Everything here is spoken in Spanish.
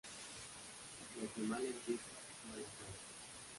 Lo que mal empieza, mal acaba